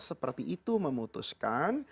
seperti itu memutuskan